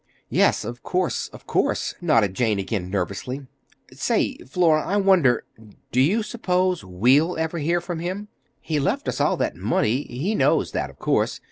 "Yes, of course, of course," nodded Jane again nervously. "Say, Flora, I wonder—do you suppose we'll ever hear from him? He left us all that money—he knows that, of course.